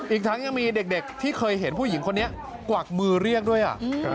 อีกทั้งยังมีเด็กที่เคยเห็นผู้หญิงคนนี้กวักมือเรียกด้วย